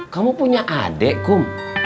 kamu punya adik kum